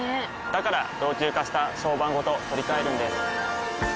から老朽化した床版ごと取り替えるんです。